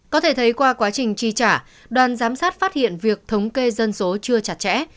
có thể thấy qua quá trình chi trả đoàn giám sát phát hiện việc thống kê dân số chưa chặt chẽ